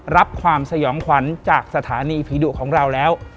รับความสยองขวัญจากสถานีผีดุของเราแล้ว